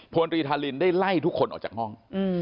พลตรีธารินได้ไล่ทุกคนออกจากห้อง